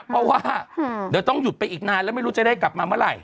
เพราะว่าเดี๋ยวต้องหยุดไปอีกนานแล้วไม่รู้จะได้กลับมาเมื่อไหร่